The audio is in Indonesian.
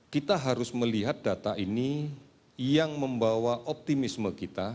kita harus melihat data ini yang membawa optimisme kita